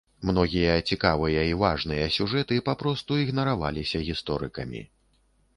Многія цікавыя і важныя сюжэты папросту ігнараваліся гісторыкамі.